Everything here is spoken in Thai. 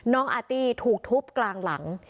น้องอาตี้ถูกทุบกลางหลัง